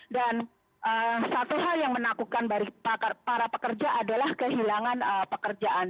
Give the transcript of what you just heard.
dan satu hal yang menakutkan para pekerja adalah kehilangan pekerjaan